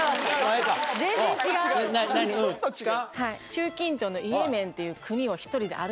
中近東のイエメンっていう国を。